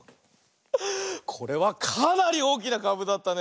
これはかなりおおきなかぶだったね。